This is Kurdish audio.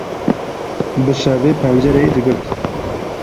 Bi şevê pencereyê digirt.